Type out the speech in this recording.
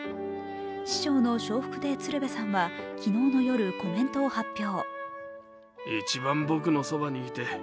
師匠の笑福亭鶴瓶さんは昨日の夜、コメントを発表。